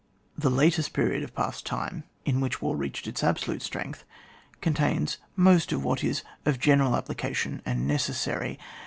The latest period of past time, in which war reached its absolute strength, con tains most of what is of general applica tion and necessary.